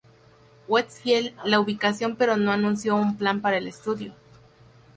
Westfield la ubicación pero no anunció un plan para el sitio.